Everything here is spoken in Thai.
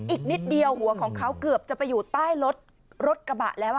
อีกนิดเดียวหัวของเขาเกือบจะไปอยู่ใต้รถกระบะแล้ว